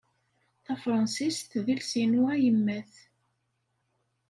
Tafṛensist d iles-inu ayemmat.